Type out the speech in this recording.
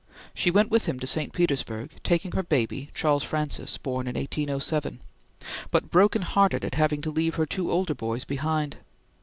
She went with him to St. Petersburg, taking her baby, Charles Francis, born in 1807; but broken hearted at having to leave her two older boys behind.